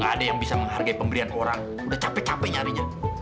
gak ada yang bisa menghargai pemberian orang udah capek capek nyarinya